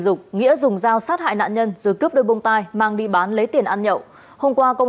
dục nghĩa dùng dao sát hại nạn nhân rồi cướp đôi bông tai mang đi bán lấy tiền ăn nhậu hôm qua có